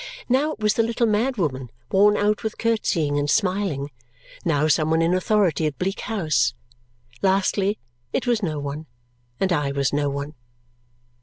Now it was the little mad woman worn out with curtsying and smiling, now some one in authority at Bleak House. Lastly, it was no one, and I was no one.